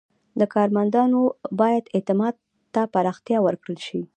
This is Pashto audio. د کارمندانو ترمنځ باید اعتماد ته پراختیا ورکړل شي.